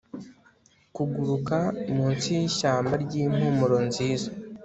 kuguruka munsi yishyamba ryimpumuro nziza